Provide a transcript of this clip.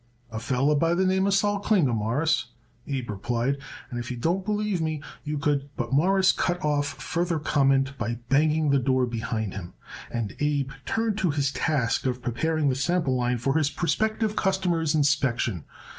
"A feller by the name Sol Klinger, Mawruss," Abe replied, "and if you don't believe me you could " But Morris cut off further comment by banging the door behind him and Abe turned to his task of preparing the sample line for his prospective customer's inspection.